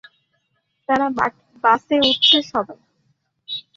তারা বাসে উঠছে সবাই।